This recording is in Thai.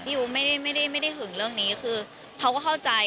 อู๋ไม่ได้หึงเรื่องนี้คือเขาก็เข้าใจ